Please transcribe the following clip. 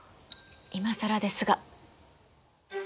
いまさらですが。